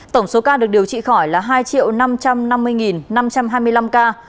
tổng số ca được điều trị khỏi là hai năm trăm năm mươi năm trăm hai mươi năm ca